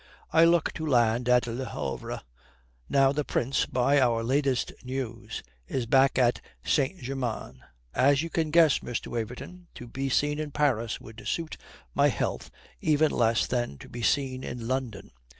I look to land at Le Havre. Now, the Prince, by our latest news, is back at St. Germain. As you can guess, Mr. Waverton, to be seen in Paris would suit my health even less than to be seen in London.